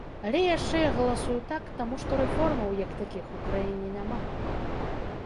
Але яшчэ я галасую так, таму што рэформаў, як такіх, у краіне няма.